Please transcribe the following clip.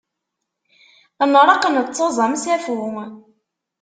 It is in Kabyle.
Nreqq nettaẓ am usafu.